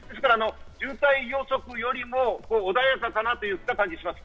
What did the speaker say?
渋滞予測よりも穏やかだなという感じがします。